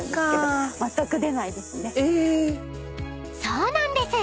［そうなんです。